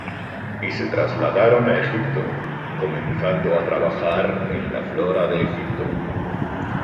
Y se trasladaron a Egipto, comenzando a trabajar en la "Flora de Egipto".